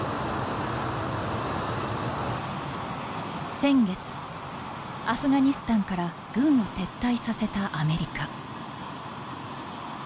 先月アフガニスタンから軍を撤退させたアメリカ。